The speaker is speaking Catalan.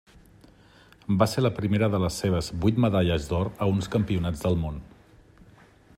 Va ser la primera de les seves vuit medalles d'or a uns Campionats del Món.